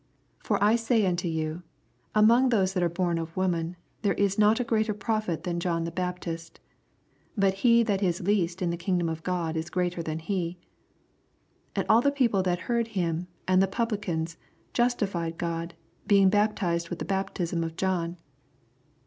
28 For I say unto yon, Among those that are bom of woman there is not a greater prophet than John the Bap tist : but ne that is least in the king dom of God is greater than he. 29 And all the people that heard him, and the Publicans, justified God. hemg baptized with the baptism of John.